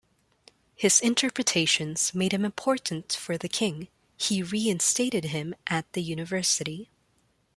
His interpretations made him important for the King, he reinstated him at the university.